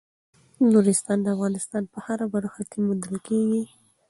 نورستان د افغانستان په هره برخه کې موندل کېږي.